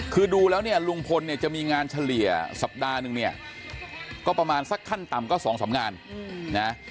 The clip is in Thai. คือดูแล้วเนี่ยลุงพลเนี่ยจะมีงานเฉลี่ยสัปดาห์นึงเนี่ยก็ประมาณสักขั้นต่ำก็๒๓งานนะ